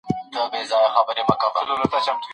هغه علم چې انساني رفتار مطالعه کوي ټولنیز علوم دي.